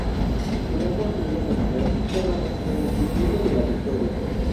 Será construida de manera subterránea en el distrito de La Victoria.